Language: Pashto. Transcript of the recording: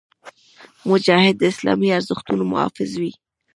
مجاهد د اسلامي ارزښتونو محافظ وي.